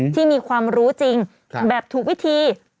ที่มีความรู้จริงแบบถูกวิธี